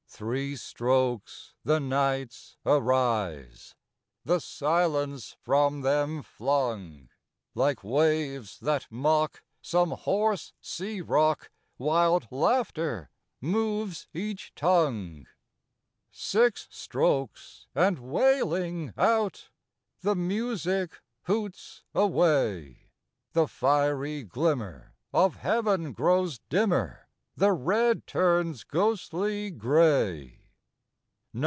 Three strokes; the knights arise, The silence from them flung, Like waves that mock some hoarse sea rock, Wild laughter moves each tongue. Six strokes; and wailing out The music hoots away; The fiery glimmer of heaven grows dimmer, The red turns ghostly gray.